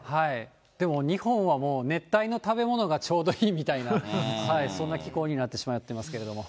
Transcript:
でも日本はもう、熱帯の食べ物がちょうどいいみたいな、そんな気候になってしまってますけれども。